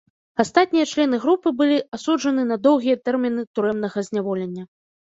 Астатнія члены групы былі асуджаны на доўгія тэрміны турэмнага зняволення.